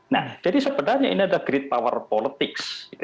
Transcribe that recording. nah jadi sebenarnya ini ada great power politics